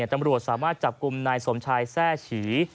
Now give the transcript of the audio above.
ตำรวจสามารถจับกลุ่มนายสมชายแทร่ฉี